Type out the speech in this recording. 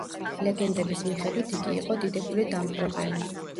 ლეგენდების მიხედვით, იგი იყო დიდებული დამპყრობელი.